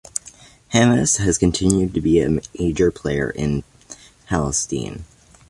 Hamas has continued to be a major player in Palestine.